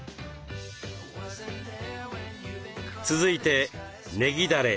続いてねぎだれ。